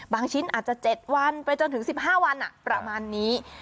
ชิ้นอาจจะ๗วันไปจนถึง๑๕วันประมาณนี้